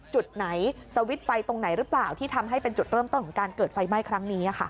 จุดไหนสวิตช์ไฟตรงไหนหรือเปล่าที่ทำให้เป็นจุดเริ่มต้นของการเกิดไฟไหม้ครั้งนี้